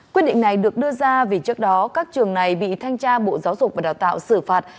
quyết định này được đưa ra vì trước đó các trường này bị thanh tra bộ giáo dục và đào tạo xử phạt